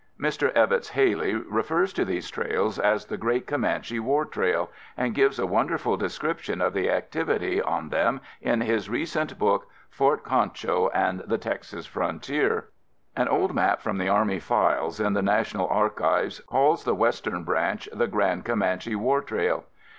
Mr. Evetts Haley refers to these trails as the Great Comanche War Trail, and gives a wonderful description of the activity on them in his recent book, Fort Concho and the Texas Frontier. An old map from the Army files in the National Archives calls the western branch the Grand Comanche War Trail.